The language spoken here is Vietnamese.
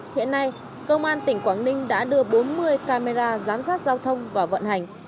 hiện nay công an tỉnh quảng ninh đã đưa bốn mươi camera giám sát giao thông vào vận hành